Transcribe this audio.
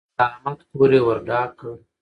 د احمد کور يې ور ډاک کړ.